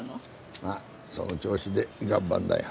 まっその調子で頑張んなよ。